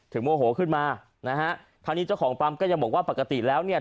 โมโหขึ้นมานะฮะทางนี้เจ้าของปั๊มก็ยังบอกว่าปกติแล้วเนี่ย